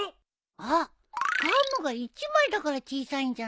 あっガムが１枚だから小さいんじゃない？